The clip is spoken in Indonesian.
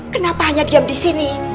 kenapa hanya diam di sini